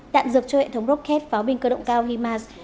đạn dược cho hệ thống rocket pháo binh cơ động cao himas